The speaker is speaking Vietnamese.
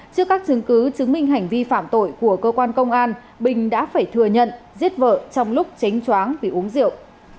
trước các chứng cứ chứng minh hành vi phạm tội của cơ quan công an bình đã phải thừa nhận giết vợ trong lúc tránh choáng vì uống rượu